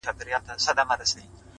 وران خو وراني كيسې نه كوي’